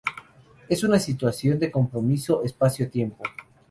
Es una situación de compromiso espacio-tiempo.